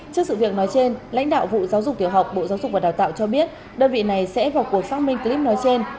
trước sự việc nói trên lãnh đạo vụ giáo dục tiểu học bộ giáo dục và đào tạo cho biết đơn vị này sẽ vào cuộc xác minh clip nói trên